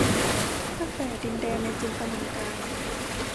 ตั้งแต่ดินแดนในจินตนาการ